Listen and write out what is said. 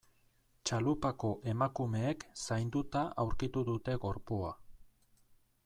Txalupako emakumeek zainduta aurkitu dute gorpua.